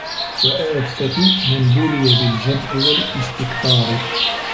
وَآفَةُ مَنْ بُلِيَ بِالْجَمْعِ وَالِاسْتِكْثَارِ